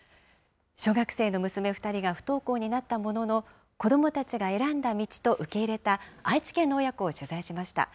小学生の娘２人が不登校になったものの、子どもたちが選んだ道と受け入れた愛知県の親子を取材しました。